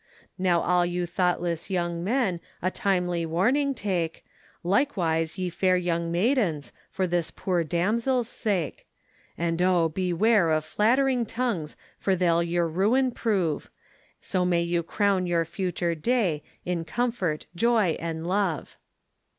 Now all you thoughtless young men A timely warning take; Likewise ye fair young maidens, For this poor damsel's sake. And Oh beware of flattering tongues, For they'll your ruin prove; So may you crown your future day, In comfort, joy, and love.